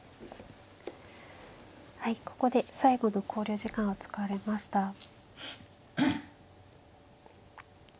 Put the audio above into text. はいここで最後の考慮時間を使われました。